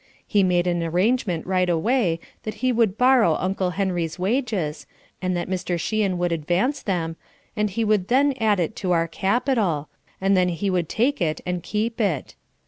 He made an arrangement right away that he would borrow Uncle Henry's wages, and that Mr. Sheehan would advance them, and he would then add it to our capital, and then he would take it and keep it.